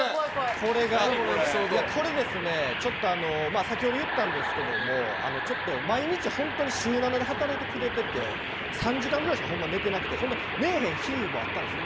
これ、先ほど言ったんですけど毎日、本当に週７で働いてくれてて３時間ぐらいしか寝ていなくて寝えへん日もあったんですよ